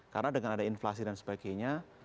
karena dengan ada inflasi dan sebagainya